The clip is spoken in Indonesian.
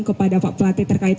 kepada pak pelate terkait